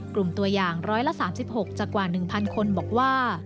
กลุ่มตัวอย่าง๑๓๖จากกว่า๑๐๐คนบอกว่า